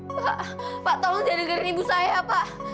pak pak tolong jangan dengerin ibu saya pak